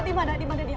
di mana di mana dia